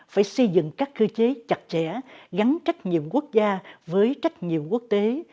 phải xây dựng các cơ chế chặt chẽ gắn trách nhiệm quốc gia với trách nhiệm quốc tế